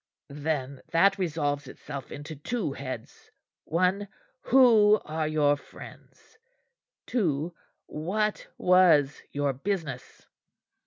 "Then that resolves itself into two heads: One, Who are your friends. Two, What was your business?"